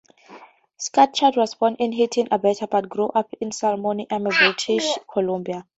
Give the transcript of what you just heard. Scatchard was born in Hinton, Alberta, but grew up in Salmon Arm, British Columbia.